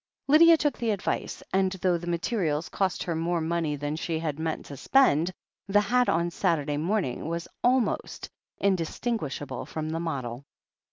Lydia took the advice, and though the materials cost her more money than she had meant to spend, the hat on Saturday morning was almost indistinguishable from the model.